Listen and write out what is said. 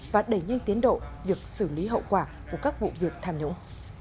và đẩy những tiến độ được xử lý hậu quả của các vụ việc tham nhũng